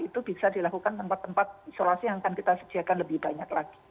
itu bisa dilakukan tempat tempat isolasi yang akan kita sediakan lebih banyak lagi